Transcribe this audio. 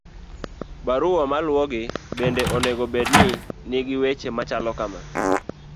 barua maluwogi bende onego bed ni nigi weche machalo kama